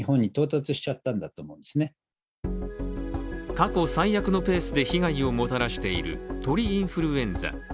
過去最悪のペースで被害をもたらしている鳥インフルエンザ。